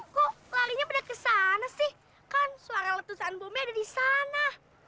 kok lagi kesana sih kan suara letusan bomnya di sana